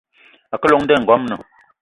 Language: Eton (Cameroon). A ke llong nda i ngoamna.